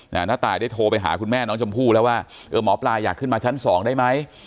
น้าตายได้โทรไปหาคุณแม่น้องชมพู่แล้วว่าเออหมอปลาอยากขึ้นมาชั้นสองได้ไหม